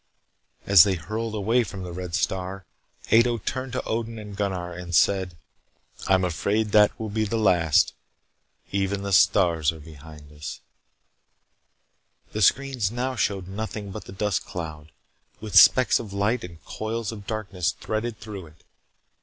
As they hurled away from the red star, Ato turned to Odin and Gunnar and said: "I'm afraid that will be the last. Even the stars are behind us " The screens now showed nothing but the dust cloud, with specks of light and coils of darkness threaded through it.